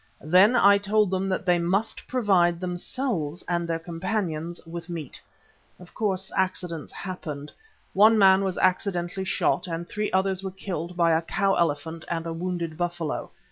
Then I told them that they must provide themselves and their companions with meat. Of course accidents happened. One man was accidentally shot and three others were killed by a cow elephant and a wounded buffalo.